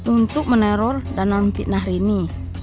untuk meneror dan memfitnah rini